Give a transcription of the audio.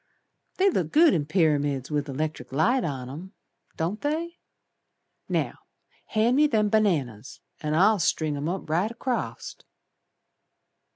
They look good in pyramids with the 'lectric light on 'em, Don't they? Now hand me them bananas An' I'll string 'em right acrost."